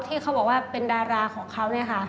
ที่เขาบอกว่าเป็นดาราของเขา